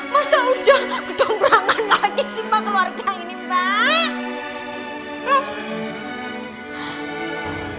mas al udah ketembrangan lagi sih mbak keluarga ini mbak